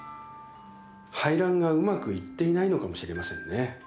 排卵がうまくいっていないのかもしれませんね。